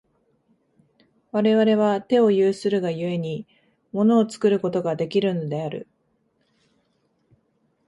我々は手を有するが故に、物を作ることができるのである。